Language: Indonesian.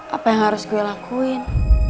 apa yang harus gue lakuin